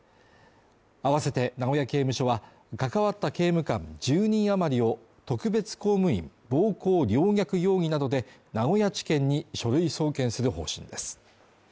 あわせて、名古屋刑務所は関わった刑務官１０人余りを特別公務員暴行陵虐容疑などで名古屋地検に書類送検する方針です。